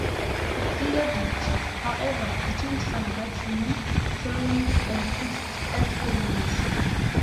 Koxinga did, however, detain some Dutch "women, children, and priests" as prisoners.